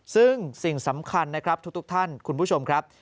ซึ่งสิ่งสำคัญนะครับทุกท่านคุณผู้ชมครับ